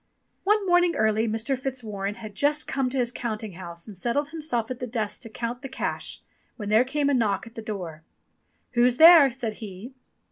One morning early Mr. Fitzwarren had just come to his counting house and settled himself at the desk to count the cash, when there came a knock at the door. "Who's there?" said he.